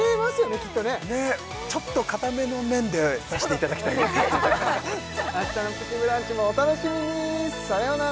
きっとねねっちょっと硬めの麺で出していただきたい明日の「プチブランチ」もお楽しみにさよなら